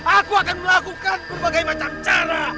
aku akan melakukan berbagai macam cara